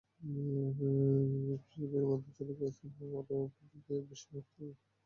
Release স্লিপের মেধাতালিকায় স্থান পাওয়া প্রার্থীদের বিষয় পরিবর্তনের কোনো সুযোগ থাকবে না।